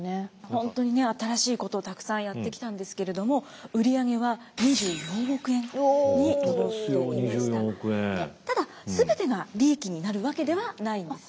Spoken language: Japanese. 本当にね新しいことをたくさんやってきたんですけれどもただ全てが利益になるわけではないんですよね。